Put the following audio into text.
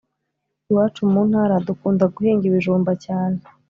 Iwacu muntara dukunda guhinga ibijumba cyane